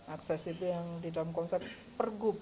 akses itu yang di dalam konsep pergub